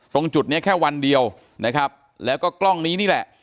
ตรงจุดนี้แค่วันเดียวนะครับแล้วก็กล้องนี้นี่แหละ